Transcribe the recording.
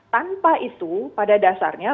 tanpa itu pada dasarnya